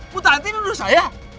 puta antin menurut saya